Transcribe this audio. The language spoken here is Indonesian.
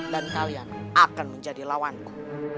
dan kalian akan menjadi lawanku